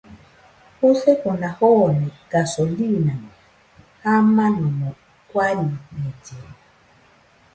Jusefona joone gasolimo jamanomo guariñellena